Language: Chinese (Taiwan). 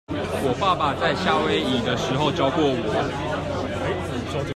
我爸爸在夏威夷的時候教過我